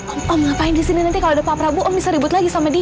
am am ngapain disini nanti kalau ada pak prabu am bisa ribut lagi sama dia